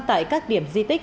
tại các điểm di tích